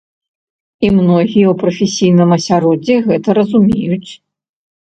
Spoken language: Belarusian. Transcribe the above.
І многія ў прафесійным асяроддзі гэта разумеюць.